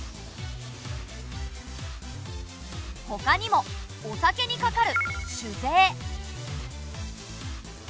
ほかにもお酒にかかる酒税。